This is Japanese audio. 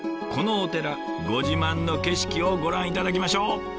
このお寺ご自慢の景色をご覧頂きましょう。